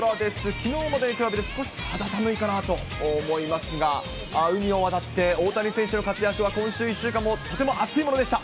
きのうまでに比べて少し肌寒いかなと思いますが、海を渡って大谷選手の活躍は、今週１週間もとても熱いものでした。